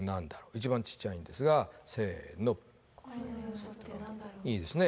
一番ちっちゃいんですがせーのいいですね